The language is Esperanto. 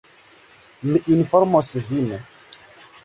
Mi informos vin.